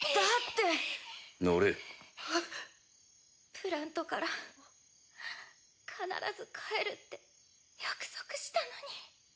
プラントから必ず帰るって約束したのに。